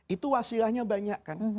itu wasilahnya banyak kan